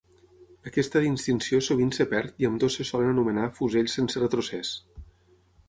Aquesta distinció sovint es perd i ambdós se solen anomenar fusells sense retrocés.